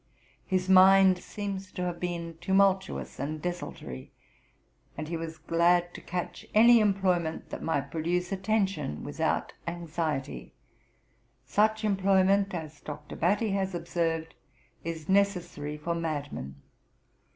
His mind seems to have been tumultuous and desultory, and he was glad to catch any employment that might produce attention without anxiety; such employment, as Dr. Battie has observed, is necessary for madmen.'